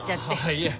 いえ。